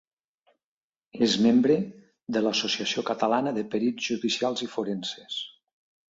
És membre de l'Associació Catalana de Perits Judicials i Forenses.